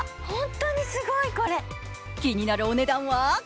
ホントにすごいこれ気になるお値段は？